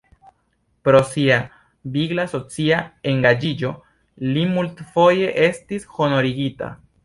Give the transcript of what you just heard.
Pro sia vigla socia engaĝiĝo li multfoje estis honorigita.